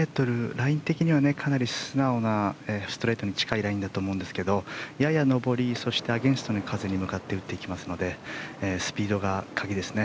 ライン的にはかなり素直なストレートに近いラインだと思いますがやや上り、そしてアゲンストの風に向かって打っていきますのでスピードが鍵ですね。